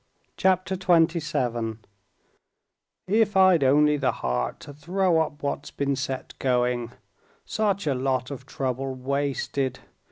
Chapter 27 "If I'd only the heart to throw up what's been set going ... such a lot of trouble wasted